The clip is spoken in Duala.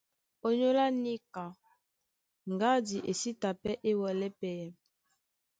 Ónyólá níka, ŋgádi e sí ta pɛ́ é wɛlɛ́ pɛyɛ.